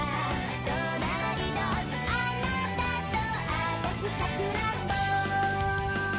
「隣どおしあなたとあたしさくらんぼ」